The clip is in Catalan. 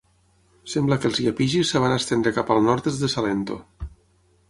Sembla que els iapigis es van estendre cap al nord des de Salento.